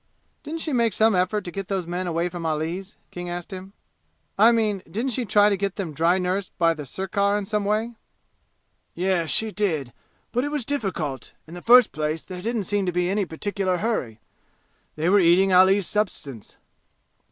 "Didn't she make some effort to get those men away from Ali's?" King asked him. "I mean, didn't she try to get them dry nursed by the sirkar in some way?" "Yes. She did. But it was difficult. In the first place, there didn't seem to be any particular hurry. They were eating Ali's substance.